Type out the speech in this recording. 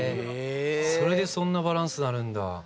それでそんなバランスになるんだ。